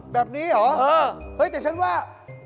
แบบนี้เหรอเฮ้ยแต่ฉันว่า